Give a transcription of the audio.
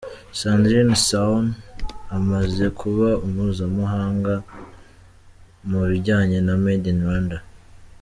Sandrine Sahorn amaze kuba mpuzamahanga mu bijyanye na Made in Rwanda.